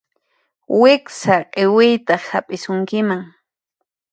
Wiksa q'iwiytaq hap'isunkiman.